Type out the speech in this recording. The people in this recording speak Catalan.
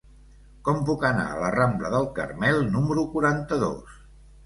Com puc anar a la rambla del Carmel número quaranta-dos?